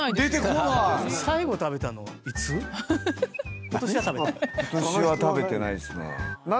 ことしは食べてないですね。